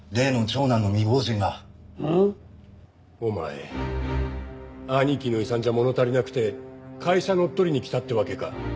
お前兄貴の遺産じゃ物足りなくて会社乗っ取りに来たってわけか。